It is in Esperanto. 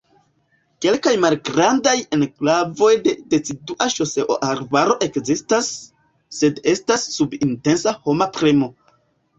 Kelkaj malgrandaj enklavoj de decidua ŝoreo-arbaro ekzistas, sed estas sub intensa homa premo.